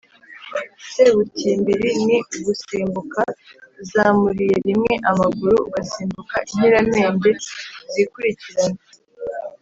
sebutimbiri ni ugusimbuka uzamuriye rimwe amaguru ugasimbuka inkiramende zikurikiranye.